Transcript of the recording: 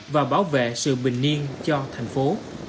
và bảo vệ sự bình niên cho thành phố